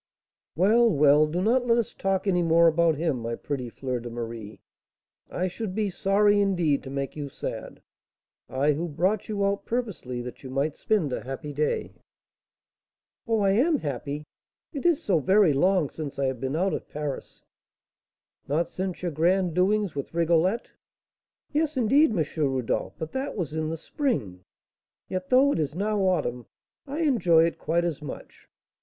"Well, well, do not let us talk any more about him, my pretty Fleur de Marie. I should be sorry, indeed, to make you sad, I, who brought you out purposely that you might spend a happy day." "Oh, I am happy. It is so very long since I have been out of Paris." "Not since your grand doings with Rigolette." "Yes, indeed, M. Rodolph; but that was in the spring. Yet, though it is now autumn, I enjoy it quite as much.